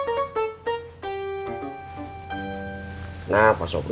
untuk aku belajar satu hal